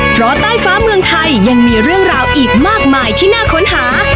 เพราะใต้ฟ้าเมืองไทยยังมีเรื่องราวอีกมากมายที่น่าค้นหา